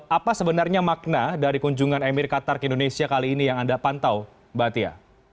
apa sebenarnya makna dari kunjungan emir qatar ke indonesia kali ini yang anda pantau mbak tia